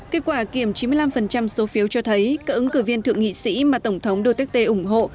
kết quả kiểm chín mươi năm số phiếu cho thấy các ứng cử viên thượng nghị sĩ mà tổng thống duterte ủng hộ